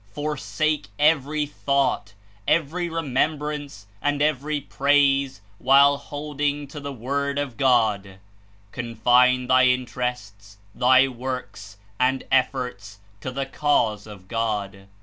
''Forsake every thought, every remembrance and every praise, zvhile holding to the JVord of God. Confine thy interests, thy works and efforts to the Cause of God.